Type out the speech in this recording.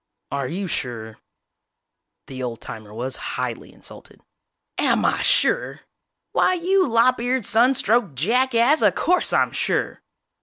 "Are you sure?" The old timer was highly insulted. "Am I sure!! Why you lop eared, sun stroked jackass, of course I'm sure!!!